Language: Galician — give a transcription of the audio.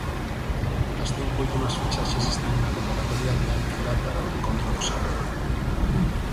As cinco últimas fichaxes están na convocatoria de Anquela para o encontro do sábado.